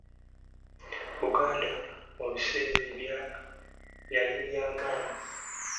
Buganda, mu biseera ebya yali yamanyi.